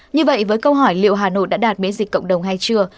như vậy với câu hỏi liệu hà nội đã đạt miễn dịch cộng đồng hay chưa